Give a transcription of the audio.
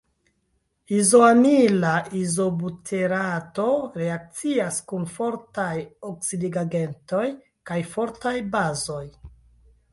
Izoamila izobuterato reakcias kun fortaj oksidigagentoj kaj fortaj bazoj.